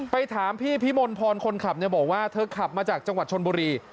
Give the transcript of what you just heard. ถามพี่พิมลพรคนขับเนี่ยบอกว่าเธอขับมาจากจังหวัดชนบุรี